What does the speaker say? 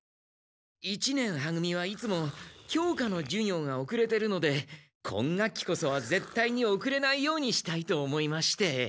一年は組はいつも教科の授業がおくれてるので今学期こそはぜったいにおくれないようにしたいと思いまして。